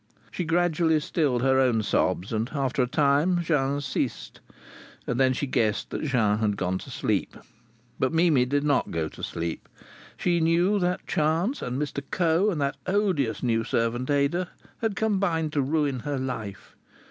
She gradually stilled her own sobs, and after a time Jean's ceased. And then she guessed that Jean had gone to sleep. But Mimi did not go to sleep. She knew that chance, and Mr Coe, and that odious new servant, Ada, had combined to ruin her life.